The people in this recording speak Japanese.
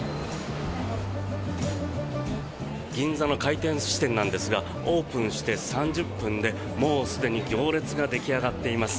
銀座の回転寿司店なんですがオープンして３０分でもうすでに行列が出来上がっています。